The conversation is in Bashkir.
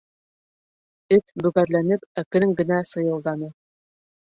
Эт бөгәрләнеп әкрен генә сыйылданы.